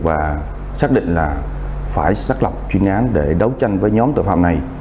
và xác định là phải xác lập chuyên án để đấu tranh với nhóm tội phạm này